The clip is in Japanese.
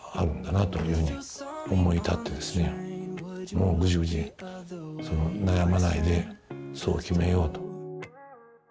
もうグジグジ悩まないでそう決めようと。